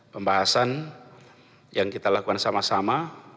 pembahasan yang kita lakukan sama sama